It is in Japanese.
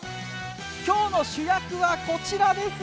今日の主役はこちらです。